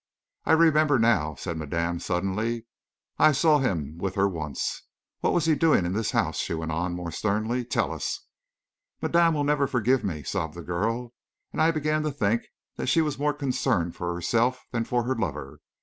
"I remember, now," said madame, suddenly. "I saw him with her once. What was he doing in this house?" she went on, more sternly. "Tell us!" "Madame will never forgive me!" sobbed the girl, and I began to think that she was more concerned for herself than for her lover.